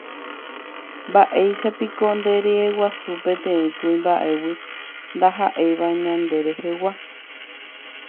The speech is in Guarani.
Mba'éichapiko nderyeguasu peteĩ kuimba'égui ndaha'éiva ñanderehegua